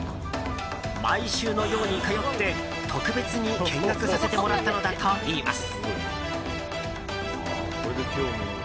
毎週のように通って特別に見学させてもらったのだといいます。